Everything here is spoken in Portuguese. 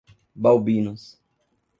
Balbinos